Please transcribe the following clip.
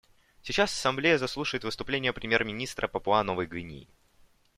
Сейчас Ассамблея заслушает выступление премьер-министра Папуа-Новой Гвинеи.